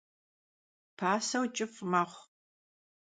Paseu ç'ıf mexhu.